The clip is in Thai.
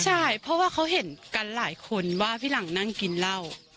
ใช่เพราะว่าเขาเห็นกันหลายคนว่าพี่หลังนั่งกินเหล้า